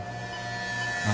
何！？